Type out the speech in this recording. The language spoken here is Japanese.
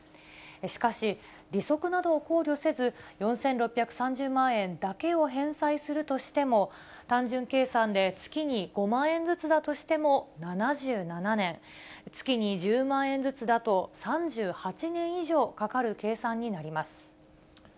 しかし、利息などを考慮せず、４６３０万円だけを返済するとしても、単純計算で月に５万円ずつだとしても７７年、月に１０万円ずつだと３８年以上かかる計算になります。